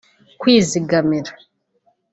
kwizigamira